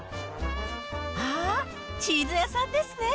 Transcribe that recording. あっ、チーズ屋さんですね。